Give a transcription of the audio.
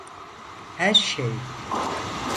Her şey.